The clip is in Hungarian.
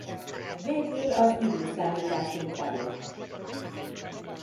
Végül az i.e.